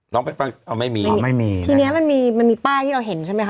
ไปฟังเอาไม่มีไม่มีทีเนี้ยมันมีมันมีป้ายที่เราเห็นใช่ไหมคะ